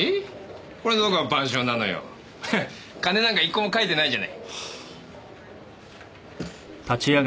鐘なんか一個も描いてないじゃない。